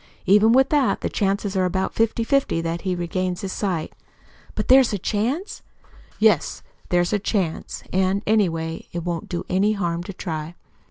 Even with that, the chances are about fifty fifty that he regains his sight." "But there's a chance?" "Yes, there's a chance. And, anyway, it won't do any harm to try.